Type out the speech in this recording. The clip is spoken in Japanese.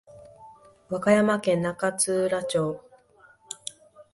和歌山県那智勝浦町